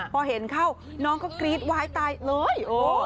พอเห็นเข้าน้องก็กรี๊ดว้ายตายเลย